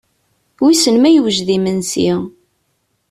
Wissen ma yewjed imensi.